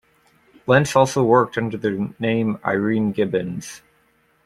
Lentz also worked under the name Irene Gibbons.